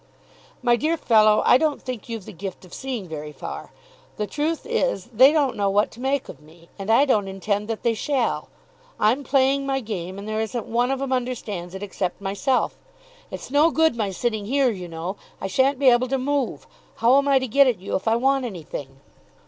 "My dear fellow, I don't think you've the gift of seeing very far. The truth is they don't know what to make of me; and I don't intend that they shall. I'm playing my game, and there isn't one of 'em understands it except myself. It's no good my sitting here, you know. I shan't be able to move. How am I to get at you if I want anything?"